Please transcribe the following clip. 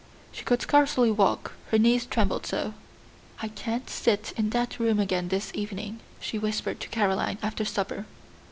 She could scarcely walk, her knees trembled so. "I can't sit in that room again this evening," she whispered to Caroline after supper.